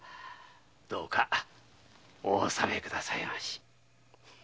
どうかお納め下さいまし。